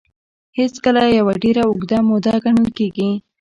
هېڅکله يوه ډېره اوږده موده ګڼل کېږي.